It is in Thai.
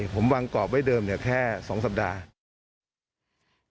ผมวางกรอบไว้เดิมแค่๒สัปดาห์